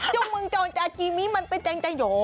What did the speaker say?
จุ้งมังจรชาชิมิมันเป็นจังใจโห